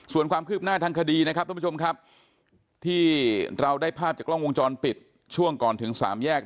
ส่วนความคืบหน้าทางคดีนะครับท่านผู้ชมครับที่เราได้ภาพจากกล้องวงจรปิดช่วงก่อนถึงสามแยก